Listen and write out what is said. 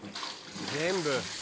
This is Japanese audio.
全部。